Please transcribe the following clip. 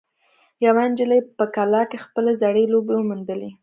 یوه نجلۍ په کلا کې خپلې زړې لوبې وموندې.